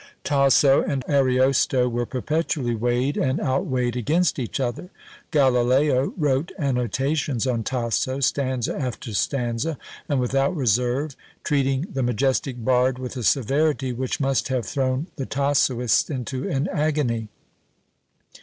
Tasso and Ariosto were perpetually weighed and outweighed against each other; Galileo wrote annotations on Tasso, stanza after stanza, and without reserve, treating the majestic bard with a severity which must have thrown the Tassoists into an agony.